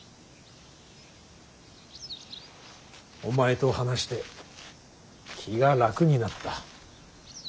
お前と話して気が楽になった。